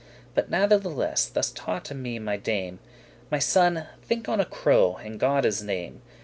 But natheless thus taughte me my dame; "My son, think on the crow, in Godde's name.